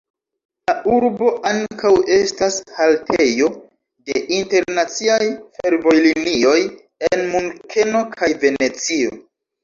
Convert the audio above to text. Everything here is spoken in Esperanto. La urbo ankaŭ estas haltejo de internaciaj fervojlinioj el Munkeno kaj Venecio.